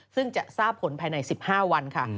ซึ่งจะทราบผลภายใน๑๕วันค่ะ